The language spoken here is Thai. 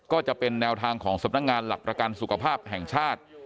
ก็จะเป็นแนวทางของสำนักงานหลักประกันสุขภาพแห่งชาติ